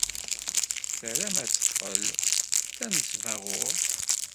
Tessaram ad teqqel d tanesbaɣurt.